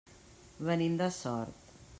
Venim de Sort.